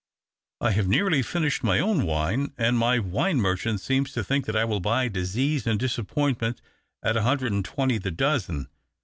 I have nearly finished my own wine, and my wine merchant seems to think that I will buy disease and disappointment at a hundred and twenty the dozen.